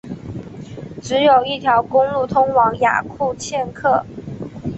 只有一条公路通往雅库茨克。